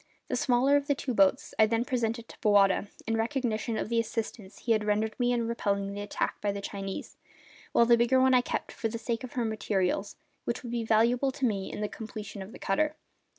The smaller of the two boats I then presented to Bowata, in recognition of the assistance he had rendered me in repelling the attack by the Chinese, while the bigger one I kept, for the sake of her materials, which would be valuable to me in the completion of the cutter.